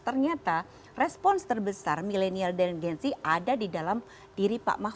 ternyata respons terbesar milenial dan gen z ada di dalam diri pak mahfud